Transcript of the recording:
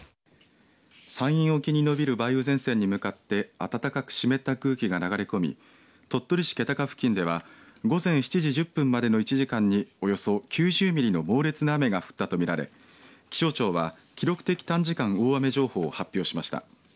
山陰沖に延びる梅雨前線に向かって暖かく湿った空気が流れ込み鳥取市気高付近では午前７時１０分までの１時間におよそ９０ミリの猛烈な雨が降ったと見られ気象庁は記録的短時間大雨情報を発表しました。